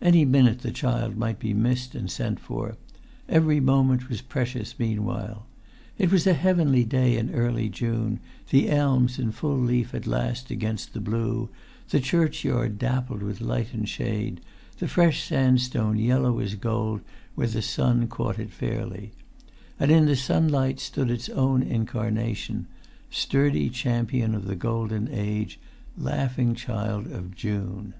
Any minute the child might be missed and sent for; every moment was precious meanwhile. It was a heavenly day in early June, the elms in full leaf at last against the blue, the churchyard dappled with light and shade, the fresh sandstone yellow as gold where the sun caught it fairly. And in the sunlight stood its own incarnation—sturdy champion of the golden age—laughing child of June.